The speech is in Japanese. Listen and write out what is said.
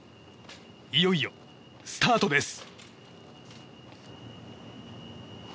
いよいよ、スタートです。